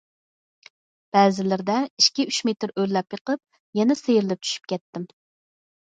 بەزىلىرىدە ئىككى- ئۈچ مېتىر ئۆرلەپ بېقىپ يەنە سىيرىلىپ چۈشۈپ كەتتىم.